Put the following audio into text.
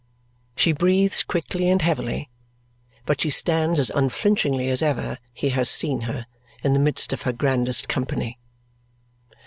She breathes quickly and heavily, but she stands as unflinchingly as ever he has seen her in the midst of her grandest company.